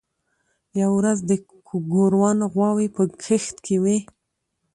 یوه ورځ د ګوروان غواوې په کښت کې وې.